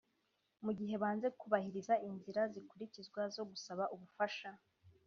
mu gihe banze kubahiriza inzira zikurikizwa zo gusaba ubufasha